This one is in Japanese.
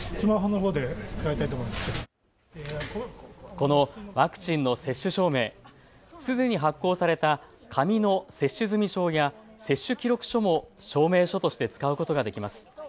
このワクチンの接種証明、すでに発行された紙の接種済証や接種記録書も証明書として使うことができます。